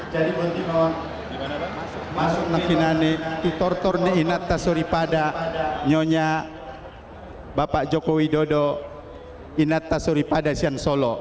jadi bu tino masuk nakinan itu tor tor ini inat tasuripada nyonya bapak jokowi dodo inat tasuripada siang solo